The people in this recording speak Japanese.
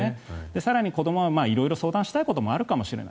更に、子どもは色々、相談したいこともあるかもしれない。